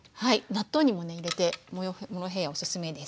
納豆にもね入れてモロヘイヤおすすめです。